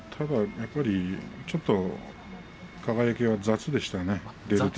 やっぱり、ちょっと輝が雑でしたね。